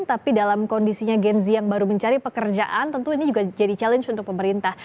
tapi dalam kondisinya gen z yang baru mencari pekerjaan tentu ini juga jadi challenge untuk pemerintah